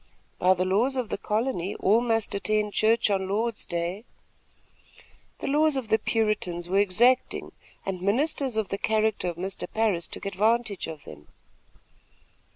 "By the laws of the colony, all must attend church on Lord's day." The laws of the Puritans were exacting, and ministers of the character of Mr. Parris took advantage of them.